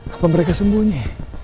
apa mereka sembunyi